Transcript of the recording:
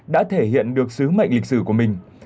đã thể hiện được sứ mệnh lịch sử của mình